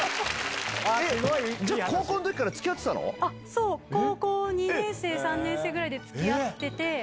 そう高校２年生３年生ぐらいで付き合ってて。